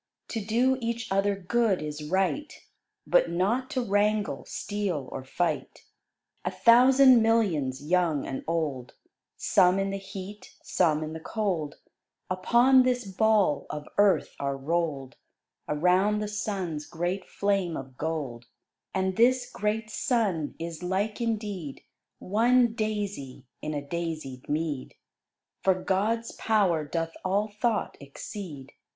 To do each other good is right, But not to wrangle, steal, or fight. A thousand millions, young and old, Some in the heat, some in the cold, Upon this Ball of Earth are roll'd Around the Sun's great flame of gold. And this great Sun is like indeed One daisy in a daisied mead; For GOD'S power doth all thought exceed.